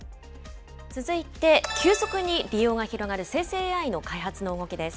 続いて、急速に利用が広がる生成ＡＩの開発についてです。